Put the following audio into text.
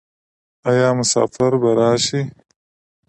آیا مسافر به راشي؟